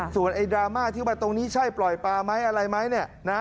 ส่วนไอ้ดราม่าที่ว่าตรงนี้ใช่ปล่อยปลาไหมอะไรไหมเนี่ยนะ